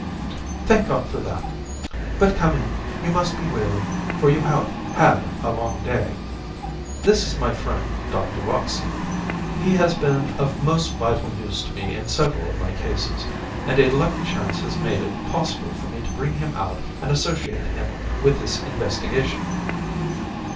"Thank God for that. But come in. You must be weary, for you have had a long day." "This is my friend, Dr. Watson. He has been of most vital use to me in several of my cases, and a lucky chance has made it possible for me to bring him out and associate him with this investigation."